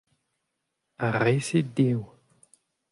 Ar re-se dev.